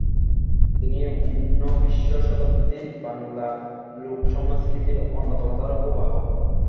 তিনি ঊনবিংশ শতাব্দীর বাংলা লোকসংস্কৃতির অন্যতম ধারক ও বাহক।